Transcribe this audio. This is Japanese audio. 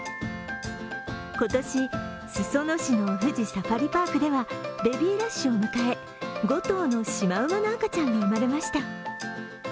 今年、裾野市の富士サファリパークではベビーラッシュを迎え５頭のしまうまの赤ちゃんが生まれました。